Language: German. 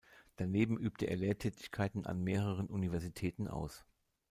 Daneben übte er Lehrtätigkeiten an mehreren Universitäten aus.